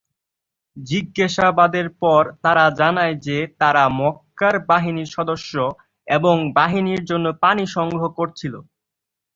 জিজ্ঞাসাবাদের পর তারা জানায় যে তারা মক্কার বাহিনীর সদস্য এবং বাহিনীর জন্য পানি সংগ্রহ করছিল।